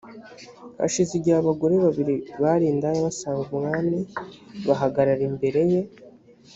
hashize igihe abagore babiri bari indaya basanga umwami bahagarara imbere ye